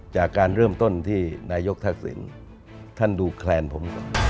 จากการเริ่มต้นที่นายกทักษิณท่านดูแคลนผมก่อน